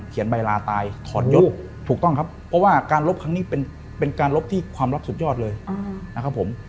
ใบลาตายถอนยศถูกต้องครับเพราะว่าการลบครั้งนี้เป็นการลบที่ความลับสุดยอดเลยนะครับผม